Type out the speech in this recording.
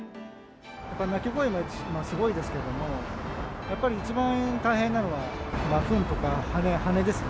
鳴き声もすごいですけど、やっぱり一番大変なのは、ふんとか羽根ですね。